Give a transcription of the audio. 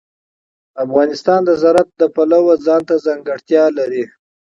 افغانستان د زراعت د پلوه ځانته ځانګړتیا لري.